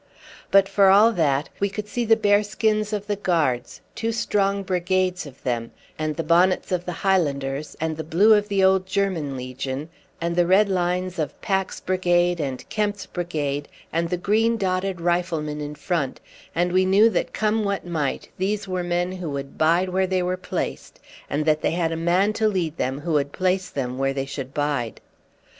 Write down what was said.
But for all that we could see the bearskins of the Guards, two strong brigades of them, and the bonnets of the Highlanders, and the blue of the old German Legion, and the red lines of Pack's brigade, and Kempt's brigade and the green dotted riflemen in front, and we knew that come what might these were men who would bide where they were placed, and that they had a man to lead them who would place them where they should bide.